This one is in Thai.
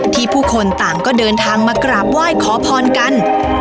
ผู้คนต่างก็เดินทางมากราบไหว้ขอพรกัน